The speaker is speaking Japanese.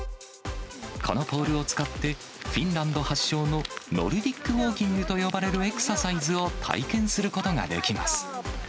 このポールを使って、フィンランド発祥のノルディックウォーキングと呼ばれるエクササイズを体験することができます。